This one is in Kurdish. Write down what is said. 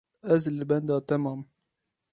Ez li benda te mam.